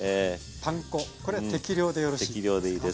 パン粉これ適量でよろしいですか？